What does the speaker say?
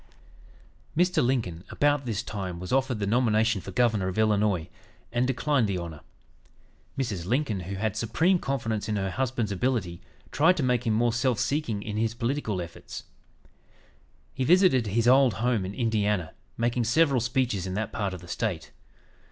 '" Mr. Lincoln, about this time, was offered the nomination for Governor of Illinois, and declined the honor. Mrs. Lincoln, who had supreme confidence in her husband's ability, tried to make him more self seeking in his political efforts. He visited his old home in Indiana, making several speeches in that part of the State.